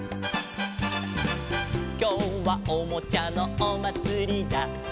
「きょうはおもちゃのおまつりだ」